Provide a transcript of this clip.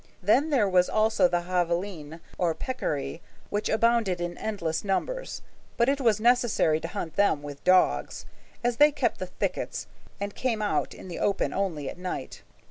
Then there was also the javeline or peccary which abounded in endless numbers, but it was necessary to hunt them with dogs, as they kept the thickets and came out in the open only at night.